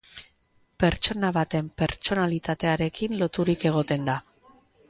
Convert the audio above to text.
Pertsona baten pertsonalitatearekin loturik egoten da.